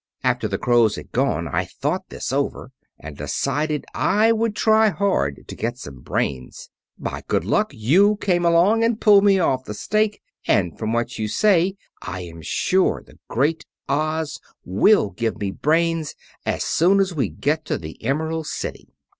"After the crows had gone I thought this over, and decided I would try hard to get some brains. By good luck you came along and pulled me off the stake, and from what you say I am sure the Great Oz will give me brains as soon as we get to the Emerald City."